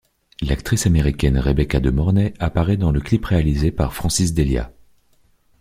L'actrice américaine Rebecca De Mornay apparaît dans le clip réalisé par Francis Delia.